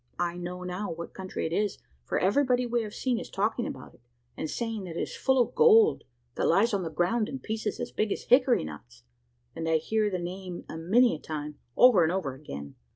I now know what country it is, for everybody we have seen is talking about it, and saying that it is full of gold, that lies on the ground in pieces as big as hickory nuts; and I hear the name a many a time, over and over again.